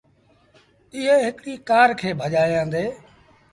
ايئي هڪڙيٚ ڪآر کي ڀڄآيآندي۔